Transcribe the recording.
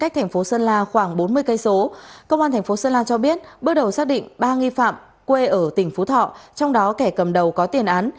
trong đó kẻ cầm đầu có tiền án